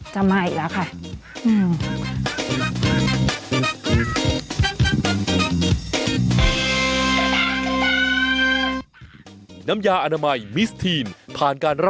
จะมาอีกแล้วค่ะ